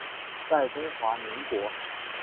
在中华民国。